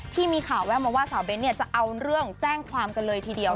ที่มีข่าวแววมาว่าสาวเบ้นจะเอาเรื่องแจ้งความกันเลยทีเดียว